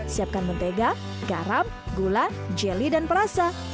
siapkan mentega garam gula jelly dan perasa